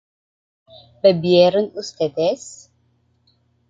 ¿bebieron ustedes?